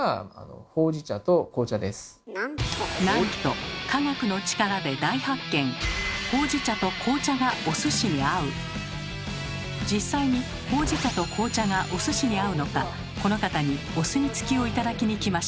なんと実際にほうじ茶と紅茶がお寿司に合うのかこの方にお墨付きを頂きに来ました。